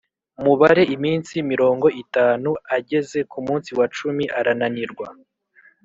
Mubare iminsi mirongo itanu ageze ku munsi wa cumi arananirwa